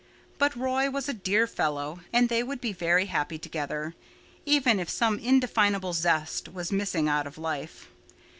But Roy was a dear fellow and they would be very happy together, even if some indefinable zest was missing out of life.